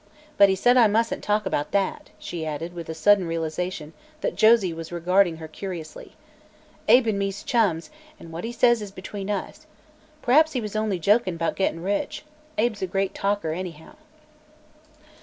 But he said I mustn't talk about that," she added, with a sudden realization that Josie was regarding her curiously. "Abe an' me's chums, an' what he says is between us. P'raps he was only jokin', 'bout gettin' rich. Abe's a great joker, anyhow."